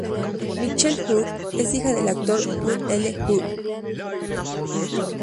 Michelle Hurd es hija del actor Hugh L. Hurd.